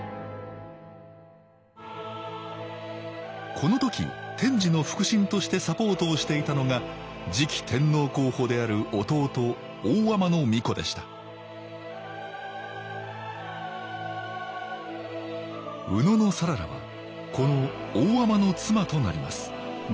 この時天智の腹心としてサポートをしていたのが次期天皇候補である弟大海人皇子でした野讚良はこの大海人の妻となります